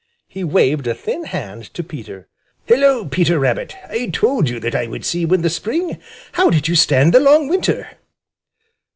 He waved a thin hand to Peter. "Hello, Peter Rabbit! I told you that I would see you in the spring. How did you stand the long winter?"